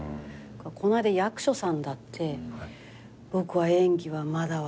この間役所さんだって「僕は演技はまだ分からない。